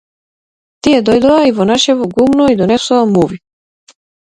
Тие дојдоа и во нашето гумно и донесоа муви.